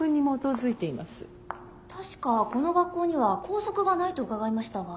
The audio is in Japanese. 確かこの学校には校則がないと伺いましたが。